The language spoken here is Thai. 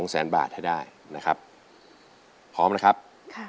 แสนบาทให้ได้นะครับพร้อมนะครับค่ะ